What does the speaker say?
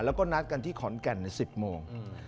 แล้วก็นัดกันที่ขอนแก่นใน๑๐โมง